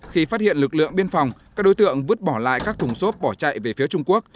khi phát hiện lực lượng biên phòng các đối tượng vứt bỏ lại các thùng xốp bỏ chạy về phía trung quốc